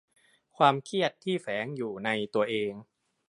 ความเครียดที่แฝงอยู่ในตัวเอง